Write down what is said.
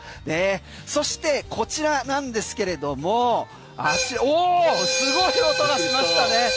そして、こちらなんですけれどもすごい音がしましたね。